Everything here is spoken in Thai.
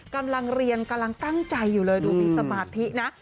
กำลังเรียนกำลังตั้งใจอยู่เลยดูมีสมาธินะ